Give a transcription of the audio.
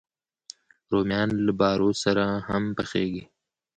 رومیان له بارو سره هم پخېږي